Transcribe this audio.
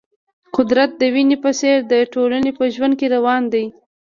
قدرت د وینې په څېر د ټولنې په ژوند کې روان دی.